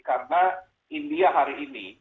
karena india hari ini